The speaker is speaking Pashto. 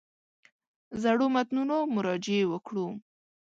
زړو متنونو مراجعې وکړو.